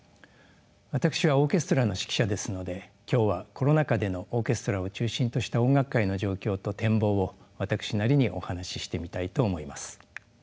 私はオーケストラの指揮者ですので今日はコロナ禍でのオーケストラを中心とした音楽界の状況と展望を私なりにお話ししてみたいと思います。